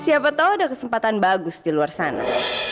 siapa tahu ada kesempatan bagus di luar sana